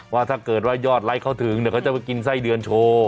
ว่าถ้าเกิดว่ายอดไลค์เขาถึงเขาจะไปกินไส้เดือนโชว์